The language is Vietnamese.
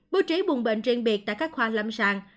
bố trí bùng bệnh riêng biệt tại các khoa lâm sàng